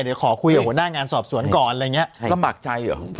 เดี๋ยวขอคุยกับหัวหน้างานสอบสวนก่อนอะไรอย่างนี้ลำบากใจเหรอ